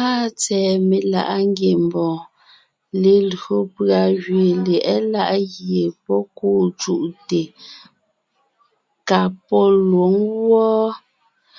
Áa tsɛ̀ɛ meláʼa ngiembɔɔn, lelÿò pʉ̀a gẅiin lyɛ̌ʼɛ láʼ gie pɔ́ kûu cúʼte ka pɔ́ lwǒŋ wɔ́ɔ.